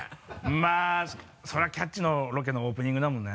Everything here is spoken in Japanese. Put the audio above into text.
まぁそれは「キャッチ！」のロケのオープニングだもんね。